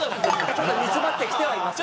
ちょっと煮詰まってきてはいますね。